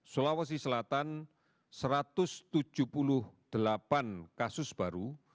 sulawesi selatan satu ratus tujuh puluh delapan kasus baru